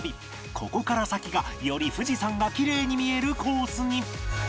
ここから先がより富士山がきれいに見えるコースに